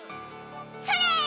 それ！